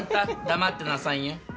黙ってなさいよ。